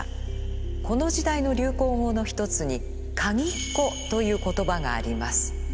この時代の流行語の一つに「鍵っ子」という言葉があります。